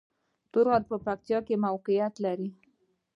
تور غر په پکتیا کې موقعیت لري